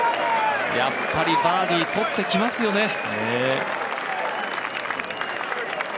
やっぱりバーディー取ってきますよね。